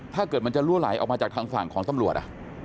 ถ้าเกิดมันจะลั่วไหลออกมาจากทางฝั่งของตำรวจ